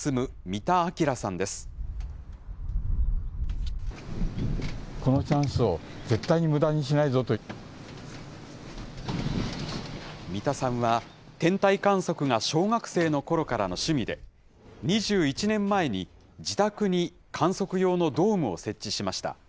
三田さんは、天体観測が小学生のころからの趣味で、２１年前に、自宅に観測用のドームを設置しました。